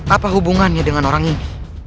apa hubungannya dengan orang ini